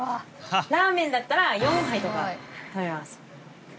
ラーメンだったら４杯とか食べます。